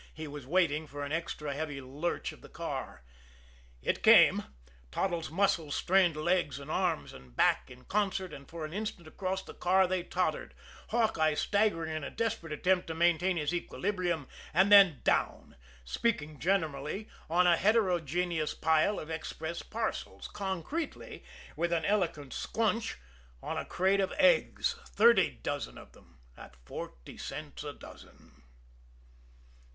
He was waiting for an extra heavy lurch of the car. It came. Toddles' muscles strained legs and arms and back in concert, and for an instant across the car they tottered, Hawkeye staggering in a desperate attempt to maintain his equilibrium and then down speaking generally, on a heterogeneous pile of express parcels; concretely, with an eloquent squnch, on a crate of eggs, thirty dozen of them, at forty cents a dozen.